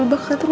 hai anak kamu